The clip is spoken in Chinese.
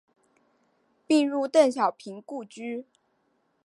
并入邓小平故居。